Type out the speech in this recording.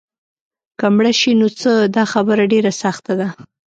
که مړه شي نو څه؟ دا خبره ډېره سخته ده.